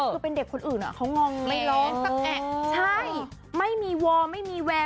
คือเป็นเด็กคนอื่นอ่ะเขางองไปร้องสักแอะใช่ไม่มีวอร์ไม่มีแวร์